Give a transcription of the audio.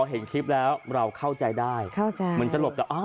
เห็นคลิปแล้วเราเข้าใจได้เข้าใจเหมือนจะหลบแต่อ้าว